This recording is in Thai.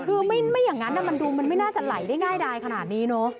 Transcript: คือไม่อย่างนั้นมันดูมันไม่น่าจะไหลได้ง่ายดายขนาดนี้เนอะ